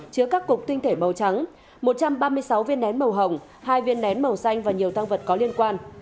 chứa các cục tinh thể màu trắng một trăm ba mươi sáu viên nén màu hồng hai viên nén màu xanh và nhiều tăng vật có liên quan